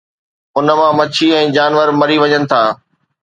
ان مان مڇي ۽ جانور مري وڃن ٿا.